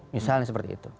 misalnya seperti itu